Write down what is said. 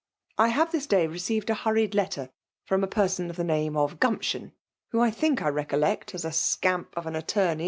*' I ha^e this day leoevred a hunied letted from.a.peT8on of the name of Gumption, (whom I thiak I recollect as a scamp of an attorney!